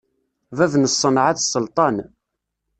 Bab n ṣṣenɛa d sselṭan.